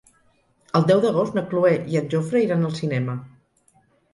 El deu d'agost na Cloè i en Jofre iran al cinema.